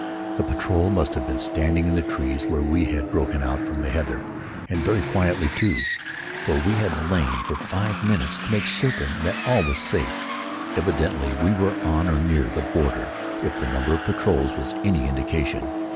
The patrol must have been standing in the trees where we had broken out from the heather, and very quietly, too, for we had lain for five minutes to make certain that all was safe. Evidently we were on or near the border if the number of patrols was any indication.